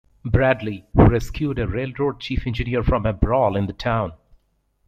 Bradley, who rescued a railroad chief engineer from a brawl in the town.